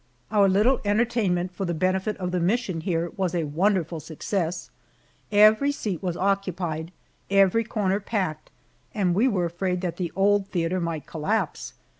Our little entertainment for the benefit of the mission here was a wonderful success. Every seat was occupied, every corner packed, and we were afraid that the old theater might collapse.